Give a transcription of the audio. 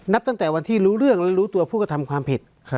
ตั้งแต่วันที่รู้เรื่องและรู้ตัวผู้กระทำความผิด